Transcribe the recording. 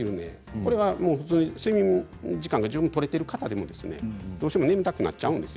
これは睡眠時間が十分とれている方でもどうしても眠たくなっちゃうんです。